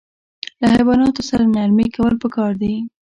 له حیواناتو سره نرمي کول پکار دي.